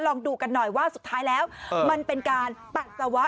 ลองดูกันหน่อยว่าสุดท้ายแล้วมันเป็นการปัสสาวะ